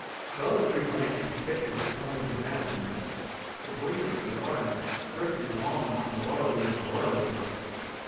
The other three glanced at the picture which hung over the mantelpiece—Sabrina and the water nymphs, drifting along among the waterweeds and water lilies.